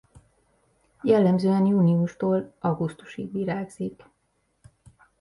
Jellemzően júniustól augusztusig virágzik.